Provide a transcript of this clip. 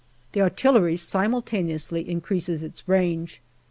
The artillery simultaneously increases its range.